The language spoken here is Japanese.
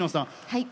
はい。